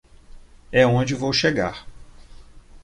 É onde vou chegar.